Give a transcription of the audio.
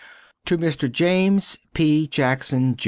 To Mr. James P. Jackson Jr.